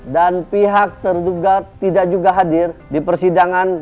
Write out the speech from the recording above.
dan pihak terduga tidak juga hadir di persidangan